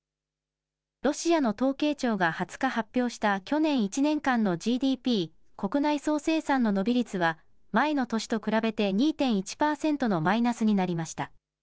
ロシアの統計庁が２０日発表した去年１年間のＧＤＰ・国内総生産の伸び率は前の年と比べて２．１％のマイナスになりました。